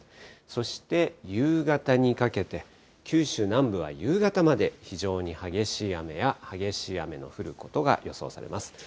そして夕方にかけて、九州南部は夕方まで非常に激しい雨や、激しい雨の降ることが予想されます。